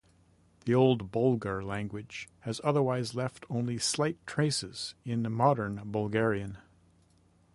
The old Bulgar language has otherwise left only slight traces in Modern Bulgarian.